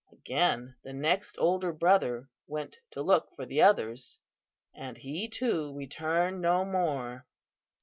Again, the next older brother went to look for the others, and he too returned no more.